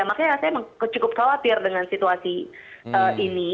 makanya saya cukup khawatir dengan situasi ini